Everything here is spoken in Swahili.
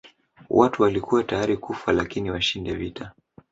Watu walikuwa tayari kufa lakini washinde vita